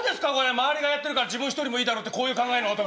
周りがやってるから自分一人もいいだろうってこういう考えの男。